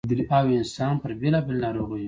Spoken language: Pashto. ٫ او انسـان پـر بېـلابېـلو نـاروغـيو